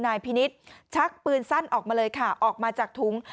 นายพินิษฐ์ชักปืนสั้นออกมาเลยค่ะออกมาจากถุง